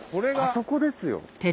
あそこですよ。